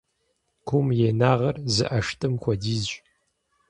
Гум и инагъыр зы ӀэштӀым хуэдизщ.